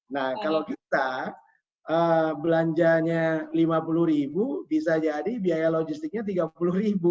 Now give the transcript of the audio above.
nah kalau kita belanjanya rp lima puluh ribu bisa jadi biaya logistiknya rp tiga puluh ribu